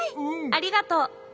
ありがとう。